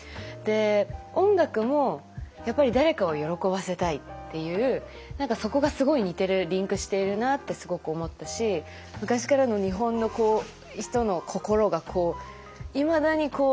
音楽もやっぱり誰かを喜ばせたいっていう何かそこがすごい似てるリンクしているなってすごく思ったし昔からの日本の人の心がいまだに受け継がれてるというか。